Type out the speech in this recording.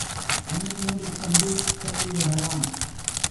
கண்ணை மூடிக்கொண்டு சொல்லிவிடலாம்.